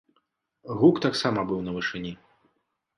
Гук таксама быў на вышыні.